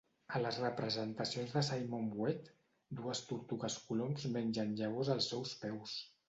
A les representacions de Simon Vouet, dues tortugues-coloms mengen llavors als seus peus.